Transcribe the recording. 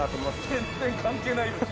全然関係ないよ